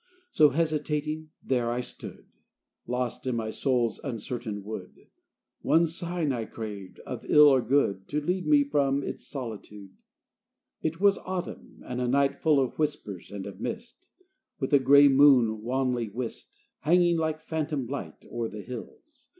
So, hesitating, there I stood Lost in my soul's uncertain wood; One sign I craved of ill or good To lead me from its solitude. XIX It was autumn: and a night Full of whispers and of mist, With a gray moon, wanly whist, Hanging like a phantom light O'er the hills.